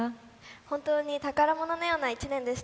本当に宝物のような一年でした。